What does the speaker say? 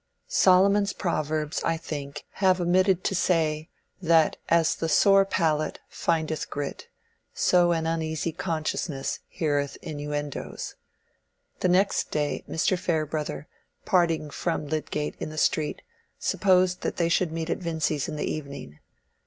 Solomon's Proverbs, I think, have omitted to say, that as the sore palate findeth grit, so an uneasy consciousness heareth innuendoes. The next day Mr. Farebrother, parting from Lydgate in the street, supposed that they should meet at Vincy's in the evening.